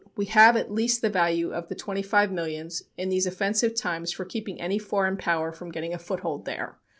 "We have at least the value of the twenty five millions in these offensive times in keeping any foreign power from getting a foothold there.